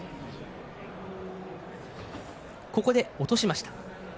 ここで落としました。